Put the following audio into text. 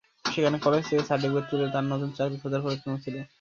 সেখানে কলেজ থেকে সার্টিফিকেট তুলে তাঁর নতুন চাকরি খোঁজার পরিকল্পনা ছিল।